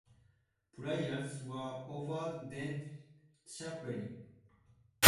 Prayers were offered dent chaplain.